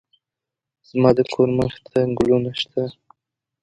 زما د کور مخې ته ګلونه شته